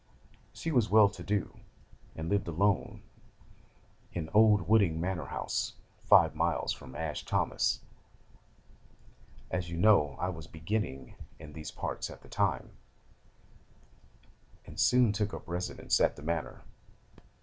'She was well to do, and lived alone in old Wooding Manor house, five miles from Ash Thomas. As you know, I was "beginning" in these parts at the time, and soon took up my residence at the manor.